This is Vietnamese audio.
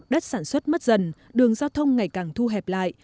đất sản xuất mất dần đường giao thông ngày càng thu hẹp lại